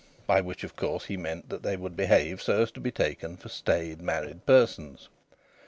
By which, of course, he meant that they would behave so as to be taken for staid married persons.